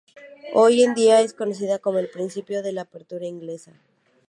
Hoy en día es conocida como el principio de la Apertura inglesa.